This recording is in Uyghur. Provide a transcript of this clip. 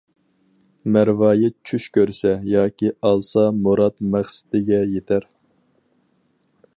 مەرۋايىت چۈش كۆرسە، ياكى ئالسا مۇراد-مەقسىتىگە يېتەر.